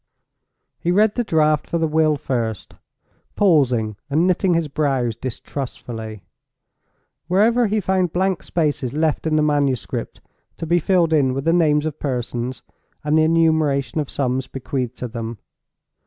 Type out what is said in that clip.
He read the draft for the Will first, pausing and knitting his brows distrustfully, wherever he found blank spaces left in the manuscript to be filled in with the names of persons and the enumeration of sums bequeathed to them.